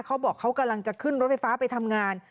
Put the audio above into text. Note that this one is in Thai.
เขาบอกเขากำลังจะขึ้นรถไฟฟ้าไปทำงาน